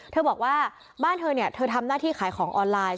เธอบอกว่าบ้านเธอเนี่ยเธอทำหน้าที่ขายของออนไลน์